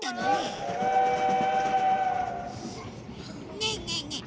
ねえねえねえ